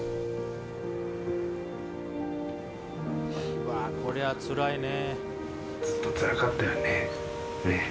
うわこれはつらいね。